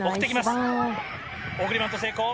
送りバント成功。